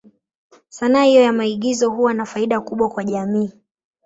Sanaa hiyo ya maigizo huwa na faida kubwa kwa jamii.